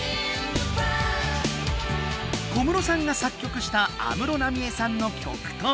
小室さんが作曲した安室奈美恵さんの曲と。